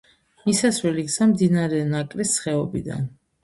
მისასვლელი გზა მდინარე ნაკრის ხეობიდან.